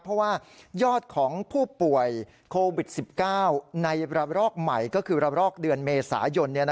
เพราะว่ายอดของผู้ป่วยโควิด๑๙ในระลอกใหม่ก็คือระลอกเดือนเมษายน